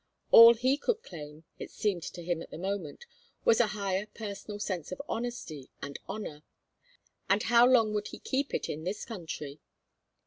All he could claim, it seemed to him at the moment, was a higher personal sense of honesty and honor; and how long would he keep it in this country?